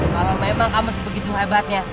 kalau memang kamu sebegitu hebatnya